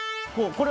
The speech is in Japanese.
これ。